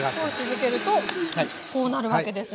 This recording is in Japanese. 続けるとこうなるわけですね。